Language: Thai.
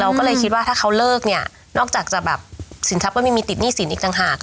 ก็เลยคิดว่าถ้าเขาเลิกเนี่ยนอกจากจะแบบสินทรัพย์ก็ไม่มีติดหนี้สินอีกต่างหาก